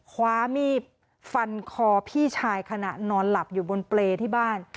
คว้ามีดฟันคอพี่ชายขณะนอนหลับอยู่บนเปรย์ที่บ้าน